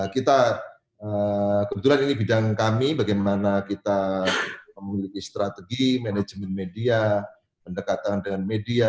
kita kebetulan ini bidang kami bagaimana kita memiliki strategi manajemen media pendekatan dengan media